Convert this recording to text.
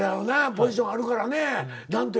ポジションあるからね。何て？